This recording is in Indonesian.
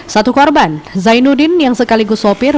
satu korban zainuddin yang sekaligus sopir